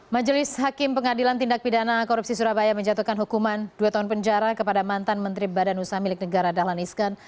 majelis hakim pengadilan tindak pidana korupsi surabaya menjatuhkan hukuman dua tahun penjara kepada mantan menteri badan usaha milik negara dahlan iskan